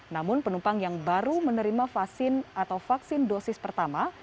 namun penumpang yang baru menerima vaksin atau vaksin dosis pertama